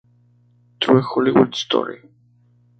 True Hollywood Story".